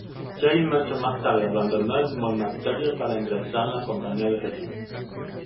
Seis meses más tarde abandonó el monasterio para ingresar en la Compañía de Jesús.